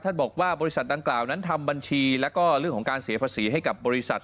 บอกว่าบริษัทดังกล่าวนั้นทำบัญชีแล้วก็เรื่องของการเสียภาษีให้กับบริษัท